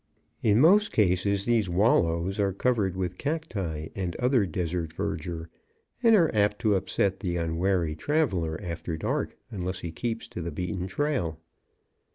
In most cases these "wallows" are covered with cacti and other desert verdure, and are apt to upset the unwary traveler after dark, unless he keeps to the beaten trail.